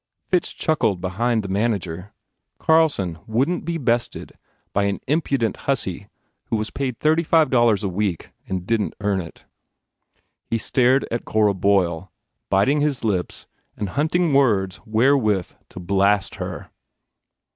Fitch chuckled behind the manager. Carlson wouldn t be bested by an impudent hussy who was paid thirty five dollars a week and didn t earn it. He stared at Cora Boyle, biting his lips and hunt ing words wherewith to blast her.